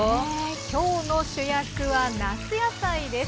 今日の主役は夏野菜です。